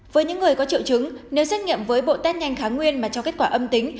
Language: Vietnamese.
với những người có triệu chứng nếu xét nghiệm với bộ test nhanh kháng nguyên mà cho kết quả âm tính